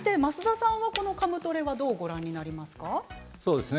そして増田さんはこのカムトレどうご覧になりますか。